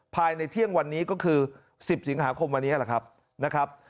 ภายในเที่ยงวันนี้ก็คือ๑๐สิงหาคมวันนี้แหละครับนะครับ